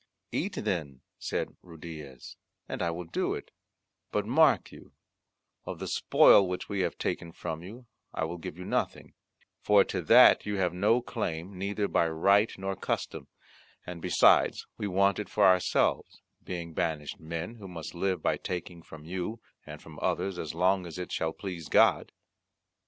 "Eat then," said Ruydiez, "and I will do it: but mark you, of the spoil which we have taken from you I will give you nothing; for to that you have no claim neither by right nor custom, and besides we want it for ourselves, being banished men, who must live by taking from you and from others as long as it shall please God."